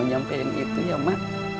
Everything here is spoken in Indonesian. ncuy nyampe yang itu ya mak